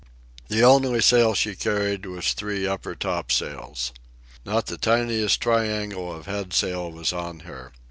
The only sail she carried was three upper topsails. Not the tiniest triangle of headsail was on her.